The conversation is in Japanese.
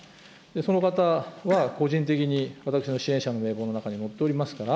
その方は個人的に私の支援者の名簿に載っておりますから、